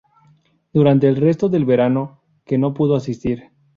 Durante el resto del verano que no pudo asistir.